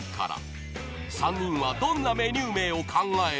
［３人はどんなメニュー名を考えるのか？］